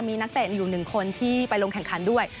มีนักเตะอยู่๑คนที่ไปลงแข่งขันด้วย